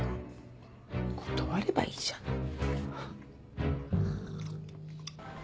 断ればいいじゃない。